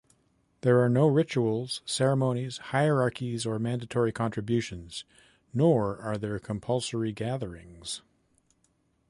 There are no rituals, ceremonies, hierarchies or mandatory contributions, nor are there compulsory gatherings.